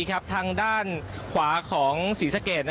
ทางด้านขวาของศรีสะเกด